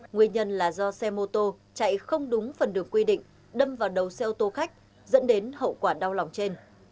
nguyên nhân là do xe mô tô chạy không đúng phần đường quy định đâm vào đầu xe ô tô khách dẫn đến hậu quả đau lòng trên